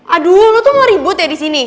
aduh lo tuh mau ribut ya disini